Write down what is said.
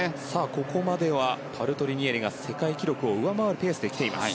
ここまではパルトリニエリが世界記録を上回るペースで来ています。